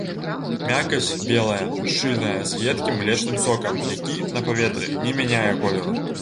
Мякаць белая, шчыльная, з едкім млечным сокам, які на паветры не мяняе колеру.